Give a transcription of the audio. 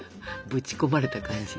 ぶち込まれた感じ。